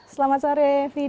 selamat sore fida